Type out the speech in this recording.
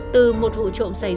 từ một vụ trộm gia đình